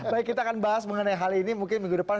baik kita akan bahas mengenai hal ini mungkin minggu depan